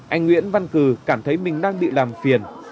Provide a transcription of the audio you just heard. anh nguyễn văn cử cảm thấy mình đang bị làm phiền